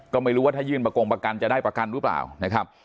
ก็ไม่รู้ว่าถ้ายื่นประกงประกันจะได้ประกันหรือเปล่านะครับ